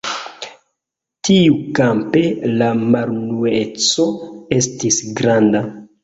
Tiukampe la malunueco estis granda.